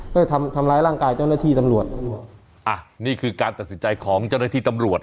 เพื่อทำทำร้ายร่างกายเจ้าหน้าที่ตำรวจอ่ะนี่คือการตัดสินใจของเจ้าหน้าที่ตำรวจ